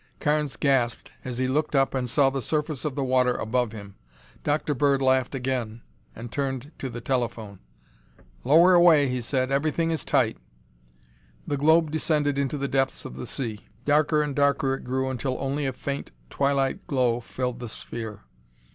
Carnes gasped as he looked up and saw the surface of the water above him. Dr. Bird laughed again and turned to the telephone. "Lower away," he said. "Everything is tight." The globe descended into the depths of the sea. Darker and darker it grew until only a faint twilight glow filled the sphere.